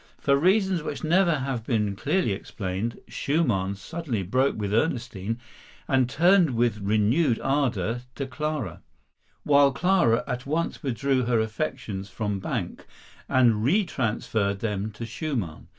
For reasons which never have been clearly explained, Schumann suddenly broke with Ernestine and turned with renewed ardor to Clara, while Clara at once withdrew her affections from Banck and retransferred them to Schumann.